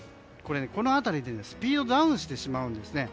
この辺りでスピードダウンしてしまうんです。